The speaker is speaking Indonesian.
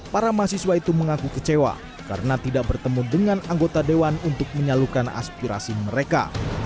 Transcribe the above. para mahasiswa itu mengaku kecewa karena tidak bertemu dengan anggota dewan untuk menyalurkan aspirasi mereka